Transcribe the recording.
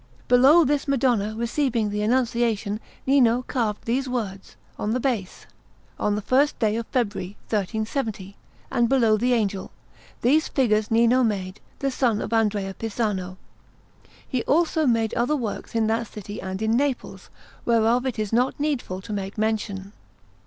Below this Madonna receiving the Annunciation Nino carved these words on the base: ON THE FIRST DAY OF FEBRUARY, 1370; and below the Angel: THESE FIGURES NINO MADE, THE SON OF ANDREA PISANO. He also made other works in that city and in Naples, whereof it is not needful to make mention.